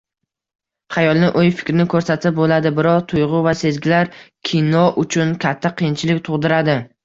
Xayolni, oʻy-fikrni koʻrsatsa boʻladi, biroq tuygʻu va sezgilar kino uchun katta qiyinchilik tugʻdiradi